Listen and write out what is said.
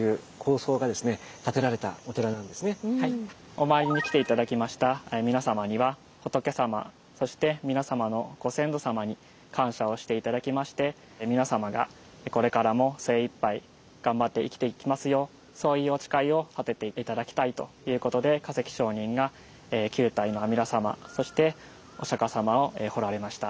お参りに来て頂きました皆様には仏さまそして皆様のご先祖様に感謝をして頂きまして皆様がこれからも精いっぱい頑張って生きていきますようそういうお誓いを立てて頂きたいということで珂碩上人が９体の阿弥陀様そしてお釈様を彫られました。